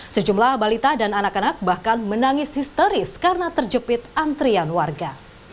sejumlah balita dan anak anak bahkan menangis histeris karena terjepit antrian warga